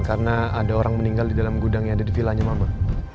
karena ada orang meninggal di dalam gudang yang ada di vilanya mama